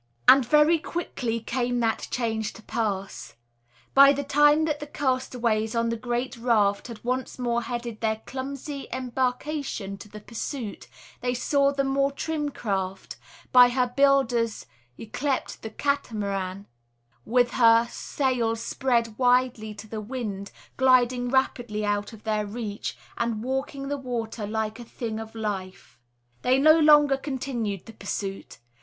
And very quickly came that change to pass. By the time that the castaways on the great raft had once more headed their clumsy embarkation to the pursuit, they saw the more trim craft, by her builders yclept the Catamaran with her sails spread widely to the wind, gliding rapidly out of their reach, and "walking the water like a thing of life." They no longer continued the pursuit.